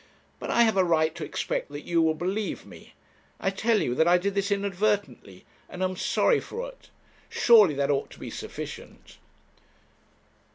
But I have a right to expect that you will believe me. I tell you that I did this inadvertently, and am sorry for it; surely that ought to be sufficient.'